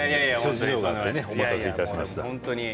諸事情があってお待たせいたしました。